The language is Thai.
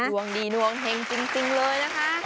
ดวงดีดวงเฮงจริงเลยนะคะ